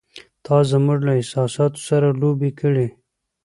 “تا زموږ له احساساتو سره لوبې کړې!